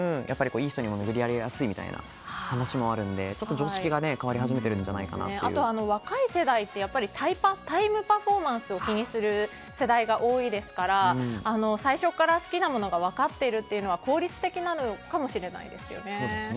いい人にも巡り会いやすいらしいみたいな話もあるのでちょっと常識が変わり始めているんじゃ若い世代ってタイパ、タイムパフォーマンスを気にする人が多いですから最初から好きなものが分かっているのは効率的かもしれませんね。